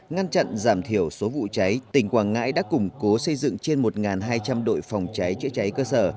ngăn chặn giảm thiểu số vụ cháy tỉnh quảng ngãi đã củng cố xây dựng trên một hai trăm linh đội phòng cháy chữa cháy cơ sở